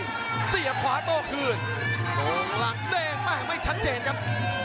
ล่างกายเสียบขวาโต้คืนตรงหลังเน่งไม่ชัดเจนครับ